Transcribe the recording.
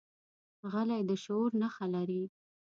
غلی، د شعور نښه لري.